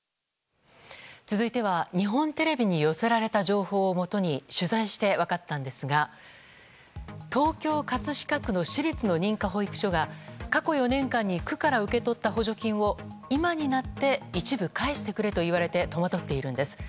続いては日本テレビに寄せられた情報をもとに取材して分かったんですが東京・葛飾区の私立の認可保育所が過去４年間に区から受け取った補助金を今になって一部返してくれと言われて戸惑っているんです。